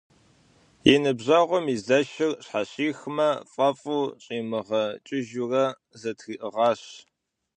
И ныбжьэгъум и зэшыр щхьэщихмэ фӏэфӏу, щӏимыгъэкӏыжурэ зэтриӏыгъащ.